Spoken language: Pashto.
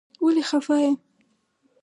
ولې خفه يې.